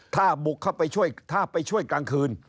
ถ้าบุกเข้าไปช่วยกลางคืน